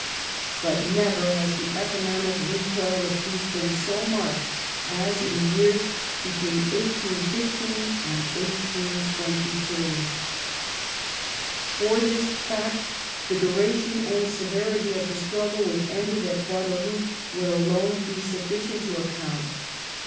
But never has the economic recoil of Peace been so marked as in the years between 1815 and 1822. For this fact the duration and severity of the struggle which ended at Waterloo would alone be sufficient to account.